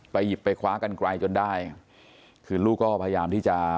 หยิบไปคว้ากันไกลจนได้คือลูกก็พยายามที่จะ